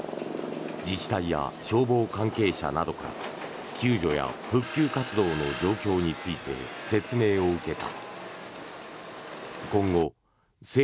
自治体や消防関係者などから救助や復旧活動の状況について説明を受けた。